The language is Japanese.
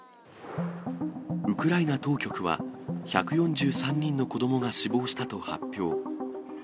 ウクライナ当局は、１４３人の子どもが死亡したと発表。